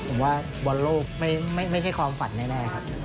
ผมว่าบอลโลกไม่ใช่ความฝันแน่ครับ